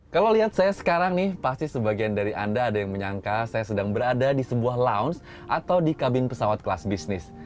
kalau lihat saya sekarang nih pasti sebagian dari anda ada yang menyangka saya sedang berada di sebuah lounge atau di kabin pesawat kelas bisnis